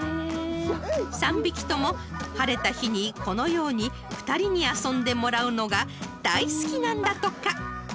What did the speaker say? ［３匹とも晴れた日にこのように２人に遊んでもらうのが大好きなんだとか］